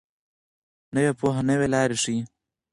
نوې پوهه نوې لارې ښيي.